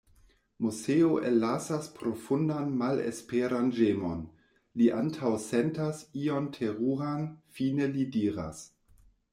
Moseo ellasas profundan malesperan ĝemon; li antaŭsentas ion teruran, fine li diras: